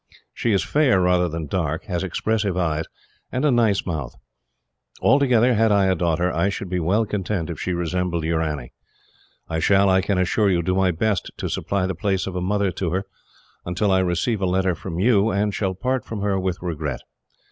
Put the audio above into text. She is fair rather than dark, has expressive eyes, and a nice mouth. Altogether, had I a daughter, I should be well content if she resembled your Annie. I shall, I can assure you, do my best to supply the place of a mother to her, until I receive a letter from you, and shall part from her with regret.